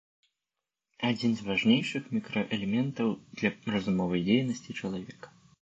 Адзін з важнейшых мікраэлементаў для разумовай дзейнасці чалавека.